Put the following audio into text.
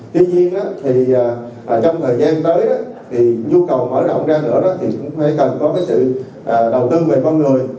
tuy nhiên trong thời gian tới thì nhu cầu mở động ra nữa thì cũng phải cần có sự đầu tư về con người